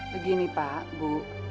begini pak bu